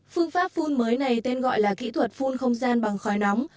phương pháp phun mới này tên gọi là kỹ thuật phun không gian bằng khói nóng